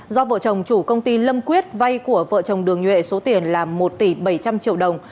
do vợ chồng chủ công ty lâm quyết vay của vợ chồng đường nhuệ số tiền là một tỷ bảy trăm linh triệu đồng